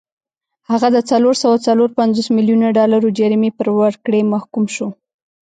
هغه د څلور سوه څلور پنځوس میلیونه ډالرو جریمې پر ورکړې محکوم شو.